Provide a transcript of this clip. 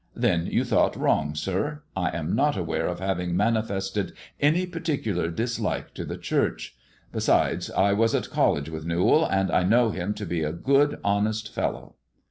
" Then you thought wrong, sir. I am not aware of having manifested any particular dislike to the Church. Besides, I was at college with Newall, and I know him to be a good, honest fellow."